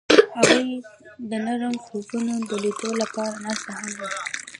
هغوی د نرم خوبونو د لیدلو لپاره ناست هم وو.